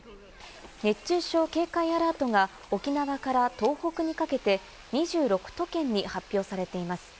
熱中症警戒アラートが沖縄から東北にかけて２６都県に発表されています。